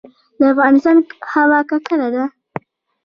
د افغانستان هوا ککړه ده